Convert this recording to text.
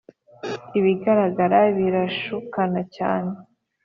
ibigaragara birashukana cyane